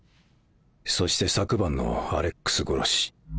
そして昨晩のアレックス殺し